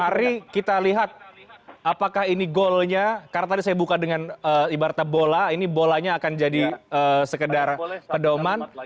mari kita lihat apakah ini goalnya karena tadi saya buka dengan ibaratnya bola ini bolanya akan jadi sekedar pedoman